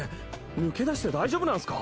抜け出して大丈夫なんすか？